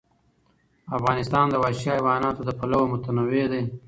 افغانستان د وحشي حیواناتو له پلوه متنوع دی.